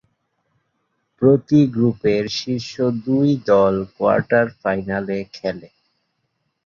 প্রতি গ্রুপের শীর্ষ দুই দল কোয়ার্টার-ফাইনালে খেলে।